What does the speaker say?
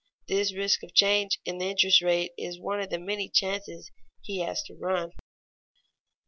This risk of a change in the interest rate is one of many chances he has to run.